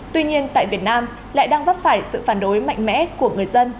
tuy nhiên tại việt nam lại đang vấp phải sự phản đối mạnh mẽ của người dân